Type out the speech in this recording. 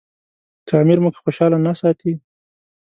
که امیر موږ خوشاله نه ساتي.